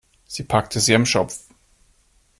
Sie packte sie am Schopf.